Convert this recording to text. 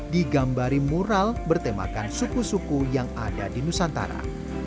digambari mural bertemakan suku suku yang ada di nusantara